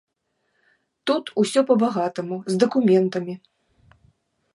Тут усё па-багатаму, з дакументамі.